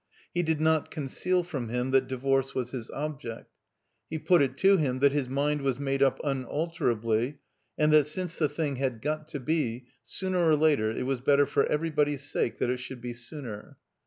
He did not conceal from him that divorce was his object. He put it to him that his mind was made up imalterably, and that since the thing had got to be, sooner or later, it was better for everybody's sake that it should be sooner.